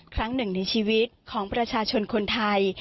ครั้งหนึ่งในชีวิตของประชาชนคนไทย